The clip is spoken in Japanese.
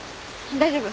大丈夫。